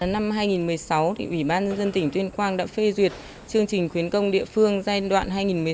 năm hai nghìn một mươi sáu ủy ban nhân dân tỉnh tuyên quang đã phê duyệt chương trình khuyến công địa phương giai đoạn hai nghìn một mươi sáu hai nghìn hai mươi